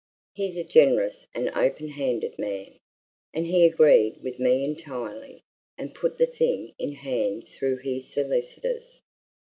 He's a generous and open handed man, and he agreed with me entirely, and put the thing in hand through his solicitors.